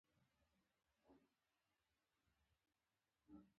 ایټالیا نن ورځ د نورو هېوادونو په پرتله سوکاله ده.